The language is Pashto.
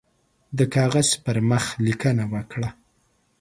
د کاغذ پر مخ لیکنه وکړه.